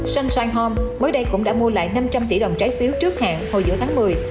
sunshin home mới đây cũng đã mua lại năm trăm linh tỷ đồng trái phiếu trước hạn hồi giữa tháng một mươi